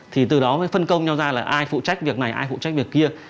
thì từ đó mới phân công nhau ra là ai phụ trách việc này ai phụ trách việc kia